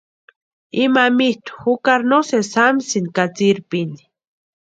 Ima mitʼu jukari no sési jamsïnti katsïrhpini.